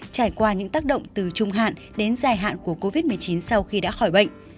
trải qua những tác động từ trung hạn đến dài hạn của covid một mươi chín sau khi đã khỏi bệnh